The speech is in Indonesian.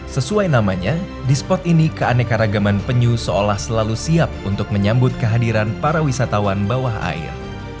sesuai namanya di spot ini keanekaragaman penyu seolah selalu siap untuk menyambut kehadiran para wisatawan bawah air